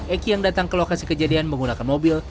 eki yang datang ke lokasi kejadian menggunakan mobil